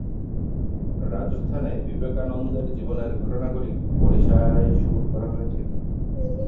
রাজস্থানে বিবেকানন্দের জীবনের ঘটনাগুলি ওড়িশায় শুট করা হয়েছিল।